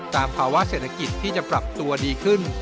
ภาวะเศรษฐกิจที่จะปรับตัวดีขึ้น